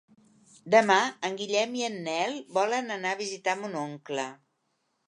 Demà en Guillem i en Nel volen anar a visitar mon oncle.